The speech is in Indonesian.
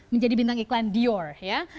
menjadi bintang iklan dior ya